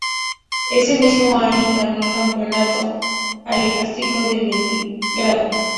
Ese mismo año ganó el Campeonato ajedrecístico de Leningrado.